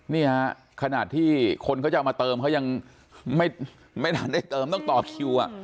นี่ฮะขนาดที่คนเขาจะเอามาเติมเขายังไม่ทันได้เติมต้องต่อคิว